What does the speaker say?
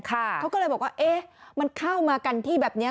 เขาก็เลยบอกว่าเอ๊ะมันเข้ามากันที่แบบนี้